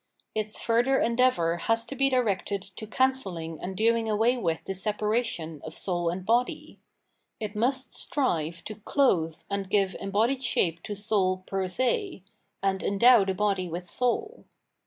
Its further endeavour has to be directed to cancelliug and doing away with this separation of soul and body; it must strive to clothe and give embodied shape to soul fer se, and endow the body with soul.